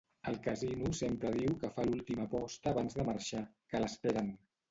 Al casino sempre diu que fa l'última aposta abans de marxar, que l'esperen.